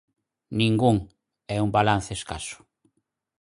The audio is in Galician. Ningún; é un balance escaso.